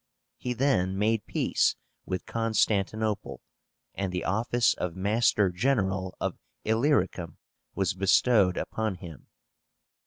He then made peace with Constantinople, and the office of Master General of Illyricum was bestowed upon him.